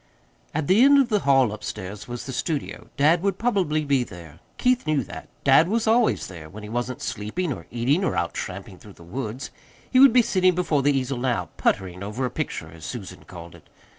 At the end of the hall upstairs was the studio. Dad would probably be there. Keith knew that. Dad was always there, when he wasn't sleeping or eating, or out tramping through the woods. He would be sitting before the easel now "puttering" over a picture, as Susan called it.